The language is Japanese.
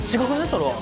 それは！